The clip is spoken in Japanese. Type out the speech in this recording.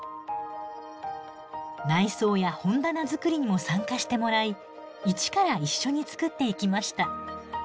内装や本棚作りにも参加してもらい一から一緒に作っていきました。